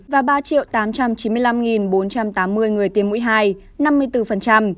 và ba tám trăm chín mươi năm bốn trăm tám mươi người tiêm mũi hai